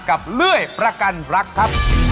เลื่อยประกันรักครับ